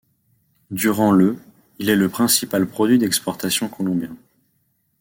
Durant le il est le principal produit d'exportation colombien.